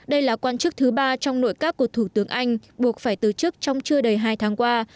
đây là quan chức thứ ba trong nội các của thủ tướng anh buộc phải từ chức trong chưa đầy hai tháng qua